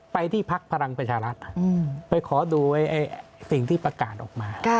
ไปที่พักพลังประชารัฐไปขอดูสิ่งที่ประกาศออกมา